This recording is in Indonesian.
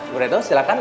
bu retno silakan